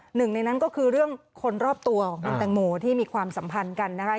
หนึ่งในนั้นก็คือเรื่องคนรอบตัวของคุณแตงโมที่มีความสัมพันธ์กันนะคะ